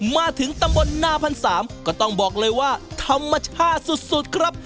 มาถึงตำบลหน้าพันสามก็ต้องบอกเลยว่าธรรมชาติสุดครับ